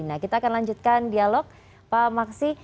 nah kita akan lanjutkan dialog pak maksi